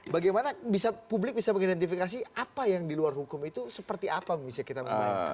bagaimana publik bisa mengidentifikasi apa yang di luar hukum itu seperti apa bisa kita membayangkan